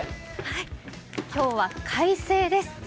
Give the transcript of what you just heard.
今日は快晴です。